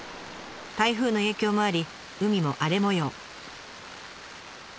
台風の影響もあり海も荒れもよう。